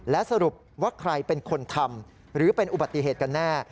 และสรุปว่าใครเป็นคนทำหรือเป็นอุบัติเหตุกันแน่